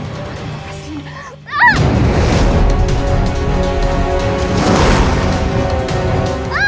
raih raih raih